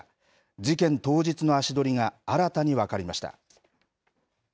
事件当日の足取りが新たに分かりました。